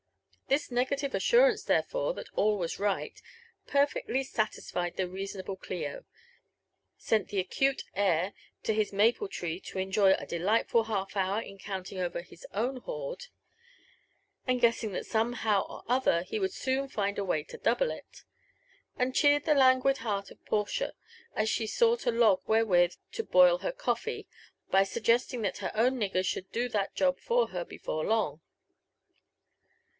This negative assurance, therefore, that all was right, perfectly sa tisfied the reasonable Clio ; sent the acute heir to his maple tree to enjoy a delightful half hour in counting over his own hoard, and guessing <9* 24 LIFE AND ADVENTURES OF that somehow or other he would soon fmd a way lo double it ; and cheered the languid heart of Portia, as she sought a log wherewith to boil her coffee, by suggesting that her own nigger should do that job for her before long.